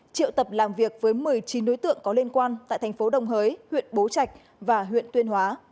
triệu tập làm việc với một mươi chín đối tượng có liên quan tại thành phố đồng hới huyện bố trạch và huyện tuyên hóa